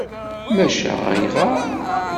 Maca ayɣer?